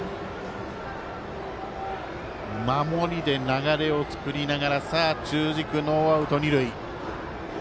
守りで流れを作りながらさあ、中軸、ノーアウト、二塁。